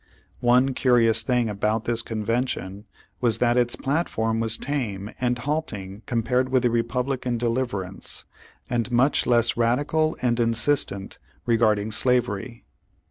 One curious thing about this Convention was that its platform was tame and halting compared with the Republican deliver ance, and much less radical and insistent regard ing slavery.